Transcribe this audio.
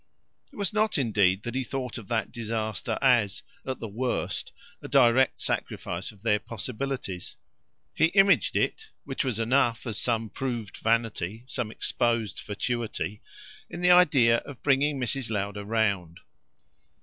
It was not indeed that he thought of that disaster as at the worst a direct sacrifice of their possibilities: he imaged it which was enough as some proved vanity, some exposed fatuity in the idea of bringing Mrs. Lowder round.